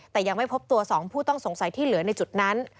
แต่ยังไม่พบตัว๒ผู้ต้องสงสัยที่เหลือในจุดนั้น